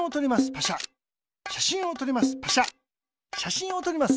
しゃしんをとります。